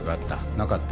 なかった？